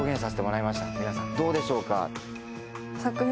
皆さんどうでしょうか？